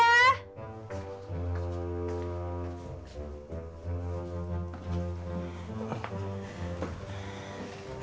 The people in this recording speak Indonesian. abang jangan ngojek dulu ya